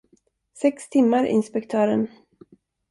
Sex timmar, inspektören.